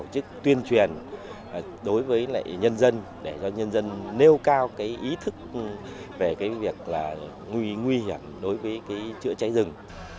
để cho nhân dân nêu cao ý thức về việc nguy hiểm đối với chữa cháy rừng